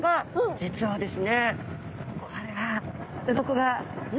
実はですね